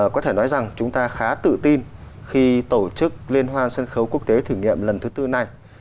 có thể nói rằng chúng ta khá tự tin khi tổ chức liên hoan sân khấu quốc tế thử nghiệm lần thứ tư này